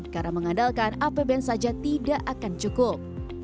karena mengandalkan apbn saja tidak akan cukup